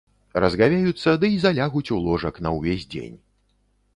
Разгавеюцца ды й залягуць у ложак на ўвесь дзень.